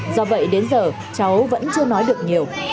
do vậy đến giờ cháu vẫn chưa nói được nhiều